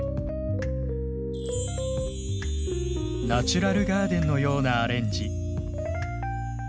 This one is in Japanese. ナチュラルガーデンのようなアレンジ。